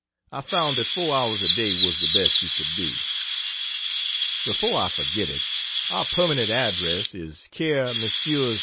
I found that 4 hours a day was the best she could do. Before I forget it, our permanent address is Care Messrs.